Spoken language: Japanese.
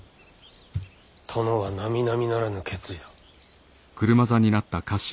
殿はなみなみならぬ決意だ。